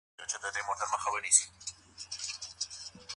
زده کوونکي پوښتني کړي وې او تعليم زيات سوی و.